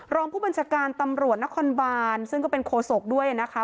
รองผู้บัญชาการตำรวจนครบานซึ่งก็เป็นโคศกด้วยนะคะ